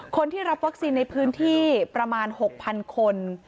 คนที่รับวัคซีนในพื้นที่ประมาณ๖๐๐๐คน